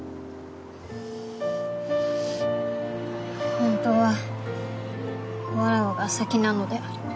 本当はわらわが先なのである。